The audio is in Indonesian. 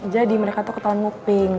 jadi mereka tuh ketahuan nguping